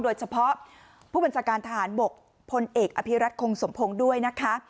โดยเฉพาะผู้บัญชาการทหารบกพลเอกอภิรัตคงสมพงศ์ด้วยนะคะ